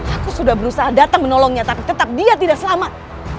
aku sudah berusaha datang menolongnya tapi tetap dia tidak selamat